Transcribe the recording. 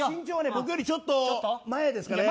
僕よりちょっと前ですかね。